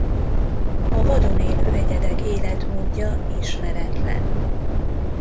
A vadon élő egyedek életmódja ismeretlen.